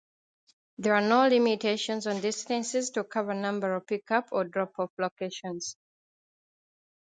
There are no limitations on distances to cover number of pick-up or drop-off locations.